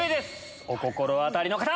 お心当たりの方！